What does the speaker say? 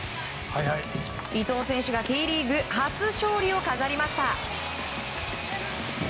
伊藤選手がＴリーグ初勝利を飾りました。